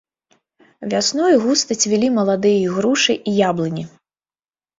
Вясною густа цвілі маладыя ігрушы і яблыні.